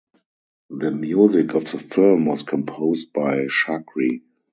The music of the film was composed by Chakri.